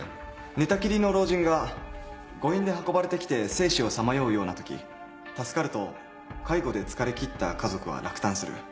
寝たきりの老人が誤飲で運ばれてきて生死をさまようようなとき助かると介護で疲れ切った家族は落胆する。